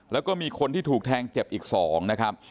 แล้วก็มีคนที่ถูกแทงเจ็บอีก๒นะครับ